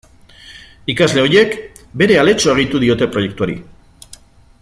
Ikasle horiek bere aletxoa gehitu diote proiektuari.